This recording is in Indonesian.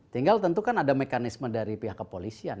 tinggal tentu kan ada mekanisme dari pihak kepolisian